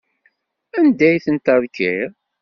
Anda ay ten-terkiḍ?